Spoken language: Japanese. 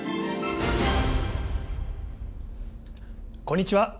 こんにちは。